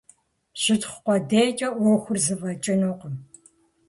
Щытхъу къудейкӀэ Ӏуэхур зэфӀэкӀынукъым.